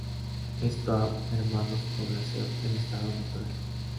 Esto ha mermado su población en estado natural.